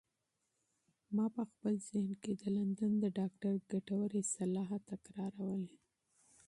ما په خپل ذهن کې د لندن د ډاکتر ګټورې مشورې تکرارولې.